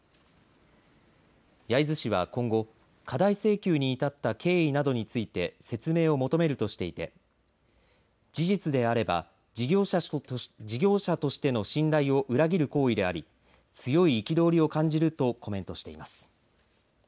焼津市は今後過大請求に至った経緯などについて説明を求めるとしていて事実であれば事業者としての信頼を裏切る行為であり強い憤りを感じるとコメントしています。